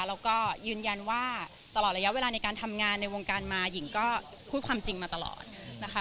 แล้วก็ยืนยันว่าตลอดระยะเวลาในการทำงานในวงการมาหญิงก็พูดความจริงมาตลอดนะคะ